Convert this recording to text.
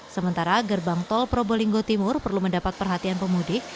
sementara gerbang tol probolinggo timur perlu mendapat perhatian pemudik